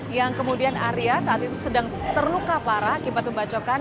yang kemudian arya saat itu sedang terluka parah akibat pembacokan